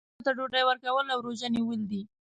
مسکینانو ته ډوډۍ ورکول او روژه نیول دي.